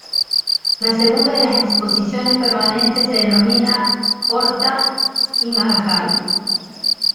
La segunda de las exposiciones permanentes se denomina "Horta i Marjal".